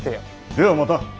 ではまた。